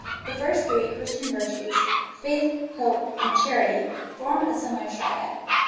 The three first Christian virtues Faith, Hope, and Charity form a similar triad.